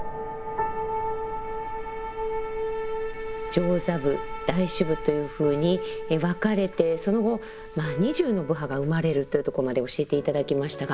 上座部大衆部というふうに分かれてその後２０の部派が生まれるというとこまで教えて頂きましたが。